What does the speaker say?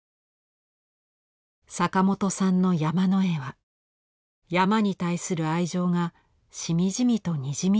「坂本さんの山の絵は山に対する愛情がしみじみとにじみ出ています。